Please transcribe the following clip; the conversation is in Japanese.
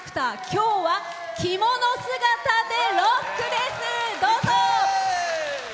今日は着物姿でロックです。